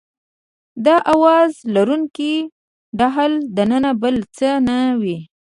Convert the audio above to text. د اواز لرونکي ډهل دننه بل څه نه وي.